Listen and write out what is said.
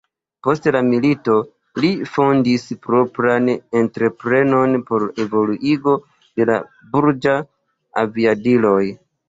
Post la milito, li fondis propran entreprenon por evoluigo de la burĝaj aviadiloj.